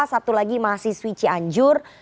satu lagi mahasiswi cianjur